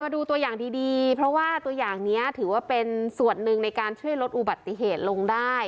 ดูตัวอย่างดีเพราะว่าตัวอย่างนี้ถือว่าเป็นส่วนหนึ่งในการช่วยลดอุบัติเหตุลงได้